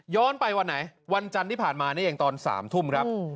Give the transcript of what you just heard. ไปวันไหนวันจันทร์ที่ผ่านมานี่เองตอน๓ทุ่มครับ